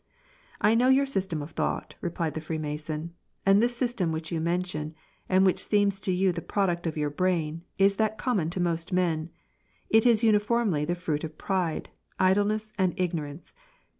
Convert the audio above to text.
" I know your system of thought," replied the Freemason, " and this system which you mention, and which seems to you the product of your brain, is that common to most men ; it is uniformly the fruit. of pride, idleness, and ignorance.